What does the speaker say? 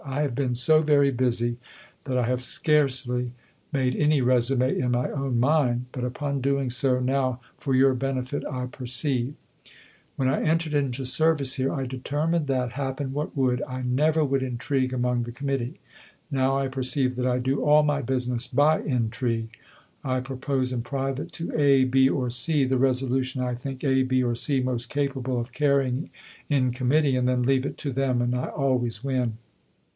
I have been so very busy that I have scarcely made any résumé in my own mind, but upon doing so now for your benefit, I perceive: When I entered into service here, I determined that, happen what would, I never would intrigue among the Committee. Now I perceive that I do all my business by intrigue. I propose in private to A, B, or C the resolution I think A, B, or C most capable of carrying in committee, and then leave it to them, and I always win.